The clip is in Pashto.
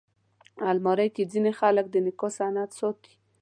الماري کې ځینې خلک د نکاح سند ساتي